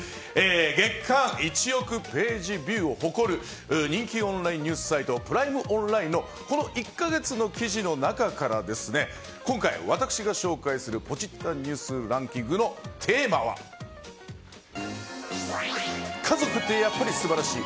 月間１億ＰＶを誇る人気オンラインニュースサイトプライムオンラインのこの１か月の記事の中から今回、私が紹介するポチッたニュースランキングのテーマは家族ってやっぱり素晴らしい！